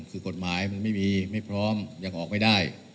คือกฎหมายมันไม่มีไม่พร้อมยังออกไม่ได้